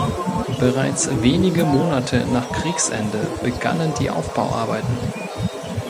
Bereits wenige Monate nach Kriegsende begannen die Aufbauarbeiten.